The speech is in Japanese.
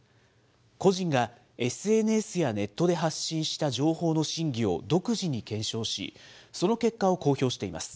個人がＳＮＳやネットで発信した情報の真偽を独自に検証し、その結果を公表しています。